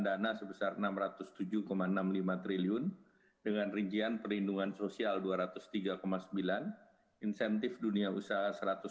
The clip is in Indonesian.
dana sebesar enam ratus tujuh enam puluh lima triliun dengan regian perlindungan sosial dua ratus tiga sembilan insentif duniausaha